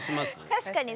確かに。